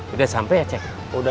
udah sampe ya ceng